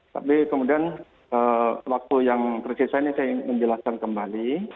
tapi kemudian waktu yang tersisa ini saya ingin menjelaskan kembali